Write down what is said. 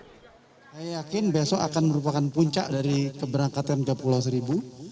saya yakin besok akan merupakan puncak dari keberangkatan ke pulau seribu